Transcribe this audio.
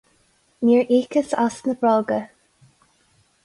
Níor íocas as na bróga.